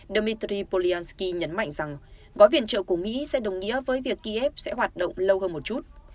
dmitry polyansky nhấn mạnh rằng gói viện trợ của mỹ sẽ đồng nghĩa với việc kiev sẽ hoạt động lâu hơn một chút